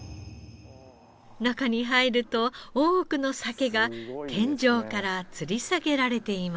中に入ると多くのサケが天井からつり下げられていました。